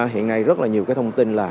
hiện nay rất là nhiều cái thông tin là